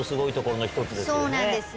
そうなんです